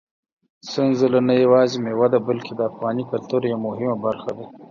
سنځله نه یوازې مېوه ده، بلکې د افغاني کلتور یوه مهمه برخه ده.